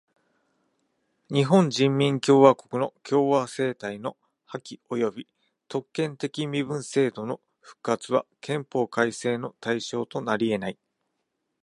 日本人民共和国の共和政体の破棄および特権的身分制度の復活は憲法改正の対象となりえない。